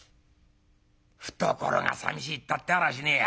懐がさみしいたってあらしねえや」。